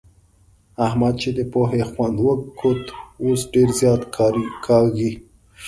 احمد چې د پوهې خوند وکوت؛ اوس ډېر زيار کاږي.